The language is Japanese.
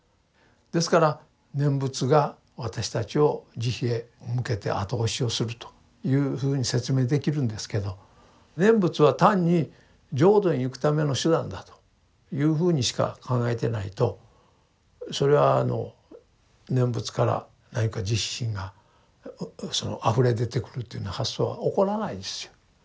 ですから念仏が私たちを慈悲へ向けて後押しをするというふうに説明できるんですけど念仏は単に浄土に行くための手段だというふうにしか考えてないとそれはあの念仏から何か慈悲心がそのあふれて出てくるという発想は起こらないですよ。